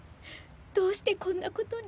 どうしてこんなことに。